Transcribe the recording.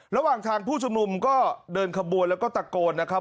ระหว่างทางผู้ชุมนุมก็เดินขบวนแล้วก็ตะโกนนะครับ